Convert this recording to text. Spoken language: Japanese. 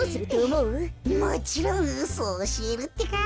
もちろんうそおしえるってか。